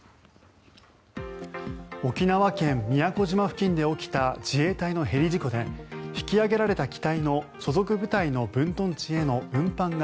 沖縄県・宮古島付近で起きた自衛隊のヘリ事故で引き揚げられた機体の所属部隊の分屯地への運搬が